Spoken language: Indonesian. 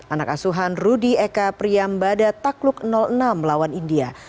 anak asuhan rudy eka priyambada takluk enam melawan india